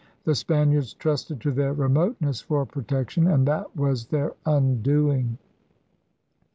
The Spaniards trusted to their remoteness for protec tion; and that was their undoing.